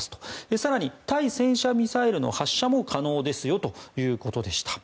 更に、対戦車ミサイルの発射も可能ですよということでした。